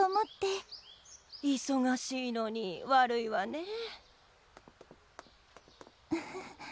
忙しいのに悪いわねえ。